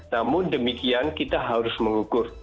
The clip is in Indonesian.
namun demikian kita harus mengukur